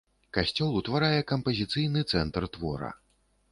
Касцёл утварае кампазіцыйны цэнтр твора.